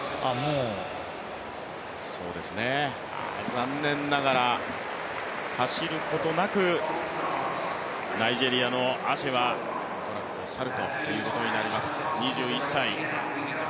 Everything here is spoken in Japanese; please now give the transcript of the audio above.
残念ながら、走ることなくナイジェリアのアシェはトラックを去るということになります、２１歳。